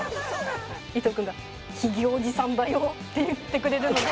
伊藤君が「ひげおじさんだよ」って言ってくれるので。